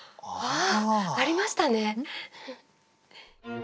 ああありましたね。